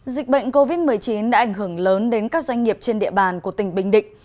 dịch bệnh covid một mươi chín đã ảnh hưởng lớn đến các doanh nghiệp trên địa bàn của tỉnh bình định